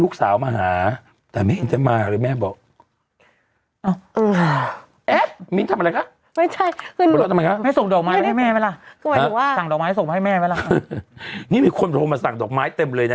ขอวาร์ฟเจ้าของล้านเต็มไปหมดเลยค่ะ